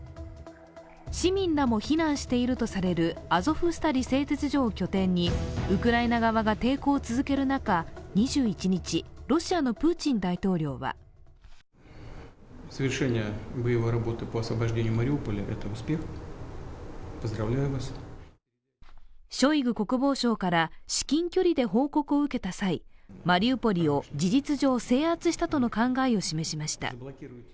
市民らも避難しているとされるアゾフスタリ製鉄所を拠点にウクライナ側が抵抗を続ける中２１日、ロシアのプーチン大統領はショイグ国防相から至近距離で報告を受けた際、マリウポリを事実上制圧したとの考えを示しました。